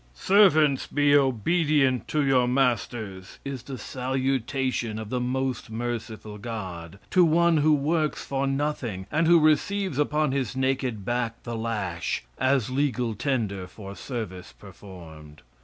"Servants, be obedient to your masters," is the salutation of the most merciful God to one who works for nothing and who receives upon his naked back the lash, as legal tender for service performed.